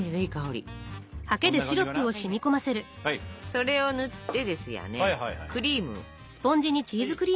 それを塗ってですよねクリーム。